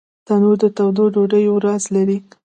تنور د تودو ډوډیو راز لري